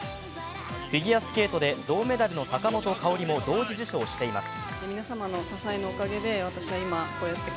フィギュアスケートで銅メダルの坂本花織も同時受賞しています。